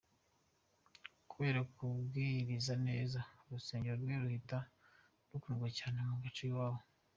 Kubera kubwiriza neza, urusengero rwe ruhita rukundwa cyane mu gace k’iwabo.